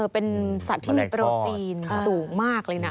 เป็นสัตว์ที่มีโปรตีนสูงมากเลยนะ